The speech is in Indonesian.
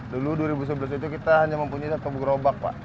dulu dua ribu sebelas itu kita hanya mempunyai satu gerobak pak